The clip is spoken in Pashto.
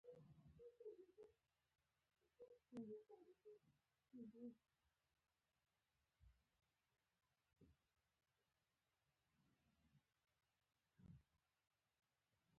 هغه په حیرانتیا وویل چې ما دا کار وکړ